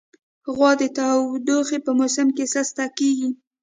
غوا د تودوخې په موسم کې سسته کېږي.